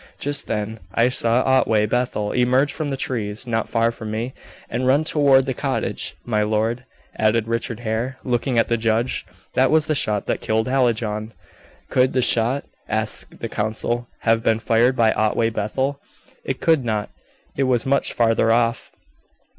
Just then I saw Otway Bethel emerge from the trees, not far from me, and run toward the cottage. My lord," added Richard Hare, looking at the judge, "that was the shot that killed Hallijohn!" "Could the shot," asked the counsel, "have been fired by Otway Bethel?" "It could not. It was much further off.